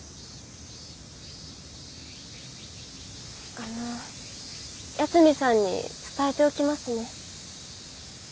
あの八海さんに伝えておきますね。